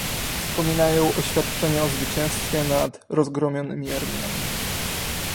Przypominają oświadczenia o zwycięstwie nad rozgromionymi armiami